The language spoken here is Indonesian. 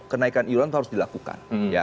kenaikan iuran itu harus dilakukan